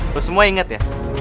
lo semua inget ya